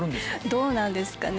どうなんですかね